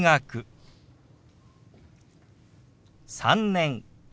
「３年」。